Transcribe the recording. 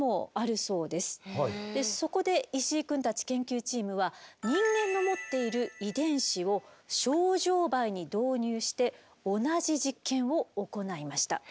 そこで石井くんたち研究チームは人間の持っている遺伝子をショウジョウバエに導入して同じ実験を行いました。